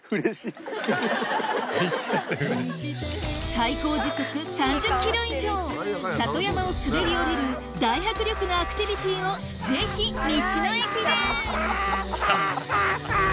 最高時速３０キロ以上里山を滑り降りる大迫力のアクティビティをぜひ道の駅であぁあぁあぁ。